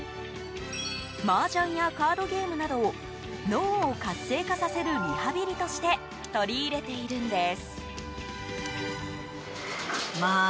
マージャンやカードゲームなどを脳を活性化させるリハビリとして取り入れているんです。